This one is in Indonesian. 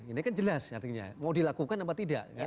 ini kan jelas artinya mau dilakukan apa tidak